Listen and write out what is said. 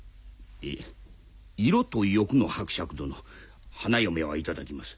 「色と欲の伯爵殿花嫁は頂きます